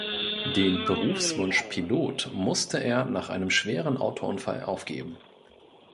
Den Berufswunsch Pilot musste er nach einem schweren Autounfall aufgeben.